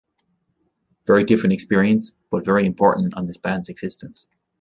Very different experience, but very important on this band's existence.